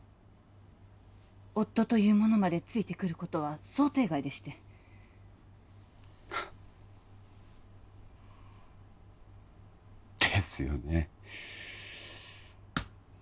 夫というものまでついてくることは想定外でしてですよね